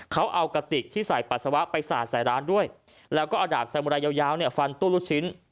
เขาเอากะติกที่ใส่ปัสสาวะไปสระใส่ร้านด้วยแล้วก็อดาบแซมูลัยยาวฟันตู้รุดชิ้น